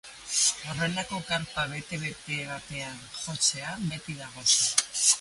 Horrelako karpa bete-bete batean jotzea beti da goxo.